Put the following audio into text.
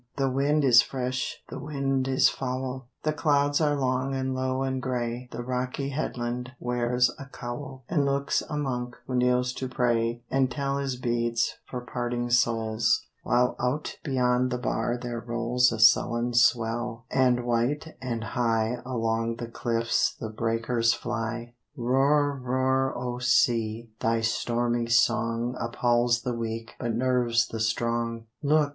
The wind is fresh, the wind is foul; The clouds are long and low and gray; The rocky headland wears a cowl, And looks a monk who kneels to pray And tell his beads for parting souls: While out beyond the bar there rolls A sullen swell, and white and high Along the cliffs the breakers fly. Roar, roar, O Sea! Thy stormy song Appalls the weak, but nerves the strong. Look!